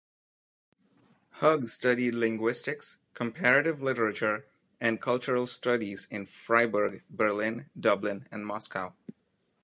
Hug studied Linguistics, Comparative Literature and Cultural Studies in Freiburg, Berlin, Dublin and Moscow.